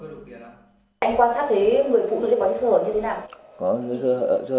anh quan sát thấy người phụ nữ có sơ hở như thế nào